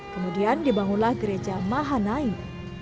kemudian dibangunlah gereja mahanaim